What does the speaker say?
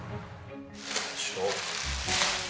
よいしょ。